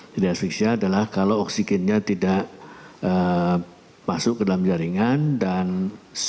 jadi asfiksia adalah kalau oksigennya tidak masuk ke dalam jaringan dan co dua